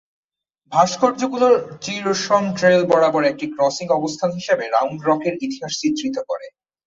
ভাস্কর্যগুলি Chisholm trail বরাবর একটি crossing অবস্থান হিসাবে রাউন্ড রকের ইতিহাস চিত্রিত করে।